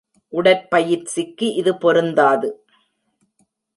உடற்பயிற்சிக்கு இது பொருந்தாது.